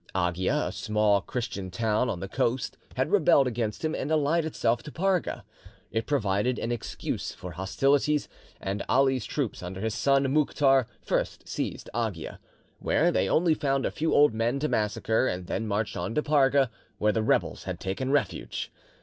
Agia, a small Christian town on the coast, had rebelled against him and allied itself to Parga. It provided an excuse for hostilities, and Ali's troops, under his son Mouktar, first seized Agia, where they only found a few old men to massacre, and then marched on Parga, where the rebels had taken refuge.